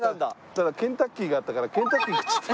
ただケンタッキーがあったからケンタッキー食っちゃった。